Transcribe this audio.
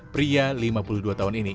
pria lima puluh dua tahun ini